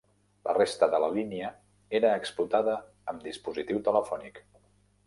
La resta de la línia era explotada amb dispositiu telefònic.